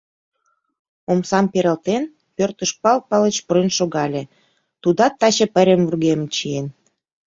Омсам пералтен, пӧртыш Пал Палыч пурен шогале, тудат таче пайрем вургемым чиен.